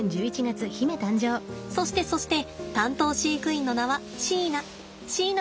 そしてそして担当飼育員の名は椎名。